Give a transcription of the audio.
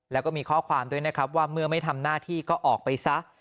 แล้วก็มีข้อความด้วยนะครับว่าเมื่อไม่ทำหน้าที่ก็ออกไปซะ